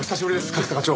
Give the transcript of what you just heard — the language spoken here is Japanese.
角田課長。